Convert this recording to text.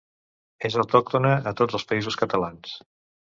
És autòctona a tots els Països Catalans.